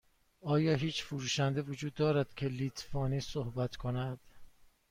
آیا هیچ فروشنده وجود دارد که لیتوانی صحبت کند؟